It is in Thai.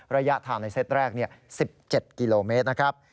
ระยะทางในเซตแรก๑๗กิโลเมตรนะครับ